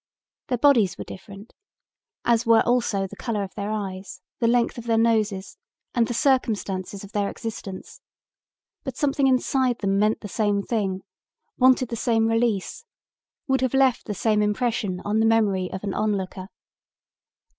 Their bodies were different, as were also the color of their eyes, the length of their noses, and the circumstances of their existence, but something inside them meant the same thing, wanted the same release, would have left the same impression on the memory of an onlooker.